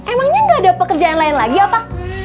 emangnya gak ada pekerjaan lain lagi apa